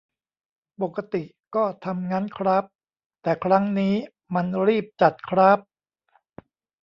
ปกติก็ทำงั้นคร้าบ แต่ครั้งนี้มันรีบจัดคร้าบ